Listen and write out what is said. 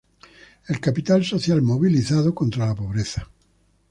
El capital social movilizado contra la pobreza.